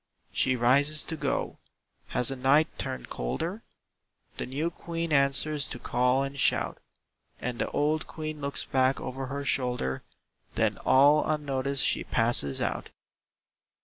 She rises to go. Has the night turned colder? The new Queen answers to call and shout; And the old Queen looks back over her shoulder, Then all unnoticed she passes out.